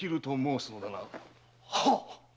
はっ！